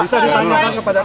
bisa ditanyakan kepada kpk